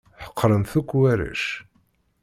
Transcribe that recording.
Ḥeqren-t akk warrac.